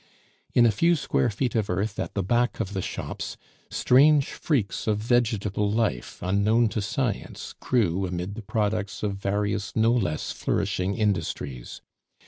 In a few square feet of earth at the back of the shops, strange freaks of vegetable life unknown to science grew amid the products of various no less flourishing industries.